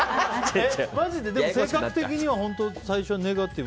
マジで、性格的には最初はネガティブ？